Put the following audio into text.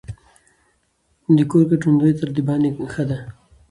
د کور ګټندويه تر دباندي ښه دی.